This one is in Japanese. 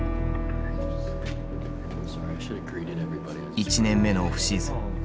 １年目のオフシーズン。